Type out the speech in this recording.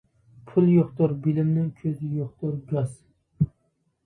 پۇل يوقتۇر بىلىمىنىڭ كۆزى يوقتۇر گاس.